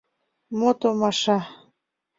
— Мо томаша...